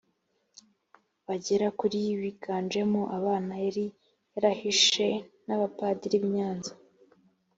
bagera kuri biganjemo abana yari yarahishe n abapadiri b i nyanza